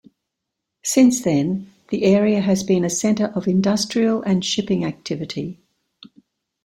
Since then, the area has been a center of industrial and shipping activity.